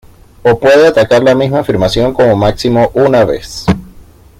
O puede atacar la misma afirmación como máximo una vez.